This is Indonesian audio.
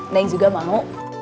neng juga mau